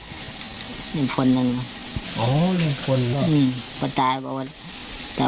อืมคนตายบอกว่า